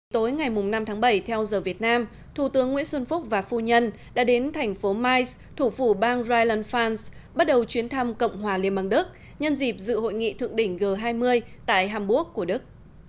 tối ngày năm tháng bảy theo giờ việt nam thủ tướng nguyễn xuân phúc và phu nhân đã đến thành phố mice thủ phủ bang rilen fans bắt đầu chuyến thăm cộng hòa liên bang đức nhân dịp dự hội nghị thượng đỉnh g hai mươi tại hamburg của đức